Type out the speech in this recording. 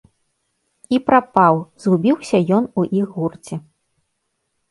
І прапаў, згубіўся ён у іх гурце.